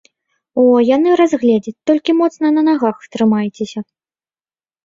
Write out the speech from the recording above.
О, яны разгледзяць, толькі моцна на нагах трымайцеся.